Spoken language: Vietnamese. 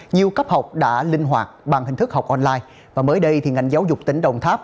nhiều cấp học đã linh hoạt bằng hình thức học online và mới đây thì ngành giáo dục tỉnh đồng tháp